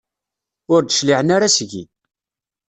Ur d-cliɛen ara seg-i.